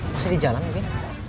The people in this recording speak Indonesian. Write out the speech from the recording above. pasti di jalan mungkin